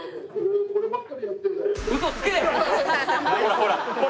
ほらほら！